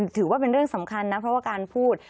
ถือว่าเป็นเรื่องสำคัญนะเพราะว่าการพูด